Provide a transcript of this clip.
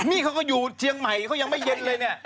นี่เขาก็อยู่เชียงใหม่เขายังไม่เย็นเลยเนี่ย